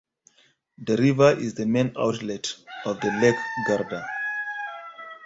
The river is the main outlet of the Lake Garda.